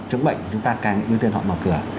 chống bệnh chúng ta càng ưu tiên họ mở cửa